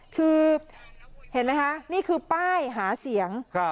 คือเห็นไหมคะนี่คือป้ายหาเสียง